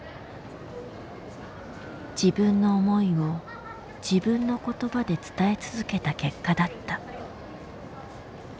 自分の思いを自分の言葉で伝え続けた結果だった。